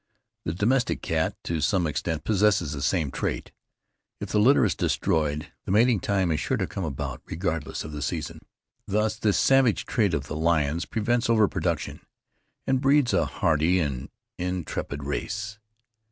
The domestic cat, to some extent, possesses the same trait. If the litter is destroyed, the mating time is sure to come about regardless of the season. Thus this savage trait of the lions prevents overproduction, and breeds a hardy and intrepid race.